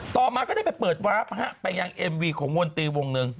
ต่อมาก็ได้ไปเปิดวาร์ฟฮะไปยังเอ็มวีของมนตรีวงหนึ่ง